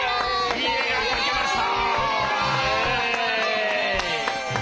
いいえがかけました。